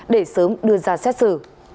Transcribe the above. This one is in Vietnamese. để sớm đưa ra xét xử